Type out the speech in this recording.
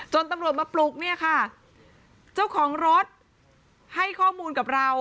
ตำรวจมาปลุกเนี่ยค่ะเจ้าของรถให้ข้อมูลกับเรา